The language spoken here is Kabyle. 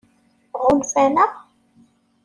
Ɣunfan-aɣ?